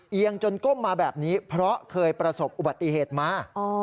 เอียงจนก้มมาแบบนี้เพราะเคยประสบอุบัติเหตุมา